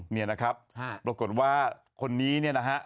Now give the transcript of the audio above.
เนี่ยนะครับโดยกฎว่าคนนี้นะฮะ